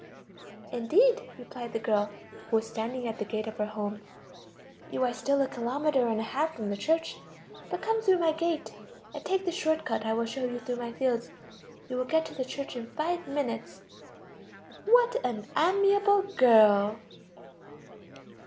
"Indeed," replied the girl, who was standing at the gate of her home, "you are still a kilometer and a half from the church. But come through my gate, and take the short cut I will show you through my fields. You will get to the church in five minutes." What an amiable girl!